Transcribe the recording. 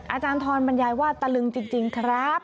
อาจารย์ทรบรรยายว่าตะลึงจริงครับ